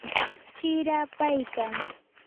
chirapaykan.